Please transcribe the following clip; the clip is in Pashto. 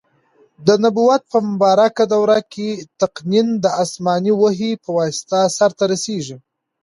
د نبوت په مبارکه دور کي تقنین د اسماني وحي په واسطه سرته رسیږي.